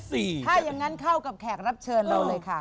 ถ้าอย่างนั้นเข้ากับแขกรับเชิญเราเลยค่ะ